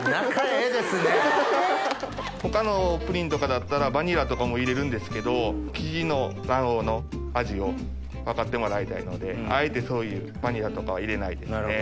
他のプリンだったらバニラとかも入れるんですけどキジの卵黄の味を分かってもらいたいのであえてそういうバニラとかは入れないですね。